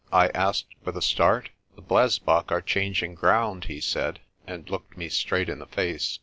I asked with a start. "The blesbok are changing ground," he said, and looked me straight in the face.